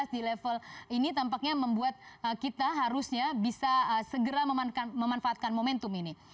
di level ini tampaknya membuat kita harusnya bisa segera memanfaatkan momentum ini